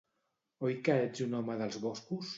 Oi que ets un home dels boscos?